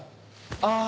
ああ。